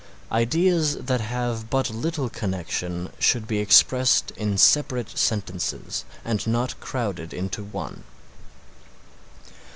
Ideas that have but little connection should be expressed in separate sentences, and not crowded into one.